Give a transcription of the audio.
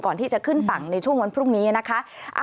ก่อนที่จะขึ้นฝั่งในช่วงวันพรุ่งนี้นะคะ